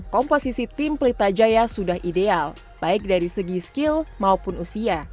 komposisi tim pelita jaya sudah ideal baik dari segi skill maupun usia